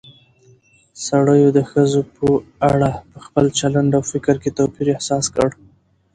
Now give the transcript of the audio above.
سړيو د ښځو په اړه په خپل چلن او فکر کې توپير احساس کړى